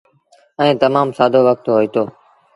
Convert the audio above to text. ائيٚݩ تمآم سآدو وکت هوئيٚتو۔